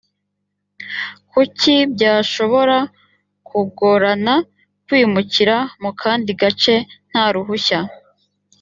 kuki byashobora kugorana kwimukira mu kandi gace nta ruhushya